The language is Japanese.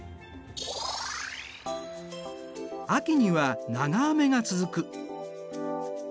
秋には長雨が続く。